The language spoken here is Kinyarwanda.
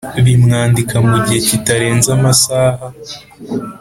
bimwandika mu gihe kitarenze amasaha